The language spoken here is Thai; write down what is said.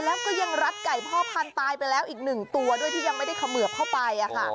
แล้วก็ยังรัดไก่พ่อพันธุ์ตายไปแล้วอีกหนึ่งตัวด้วยที่ยังไม่ได้เขมือบเข้าไป